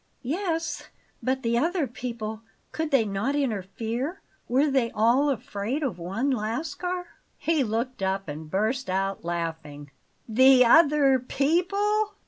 "Yes, but the other people, could they not interfere? Were they all afraid of one Lascar?" He looked up and burst out laughing. "THE OTHER PEOPLE?